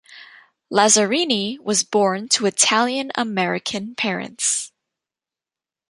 Lazzarini was born to Italian American parents.